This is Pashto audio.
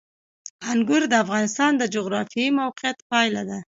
انګور د افغانستان د جغرافیایي موقیعت پایله ده.